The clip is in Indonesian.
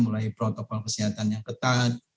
mulai protokol kesehatan yang ketat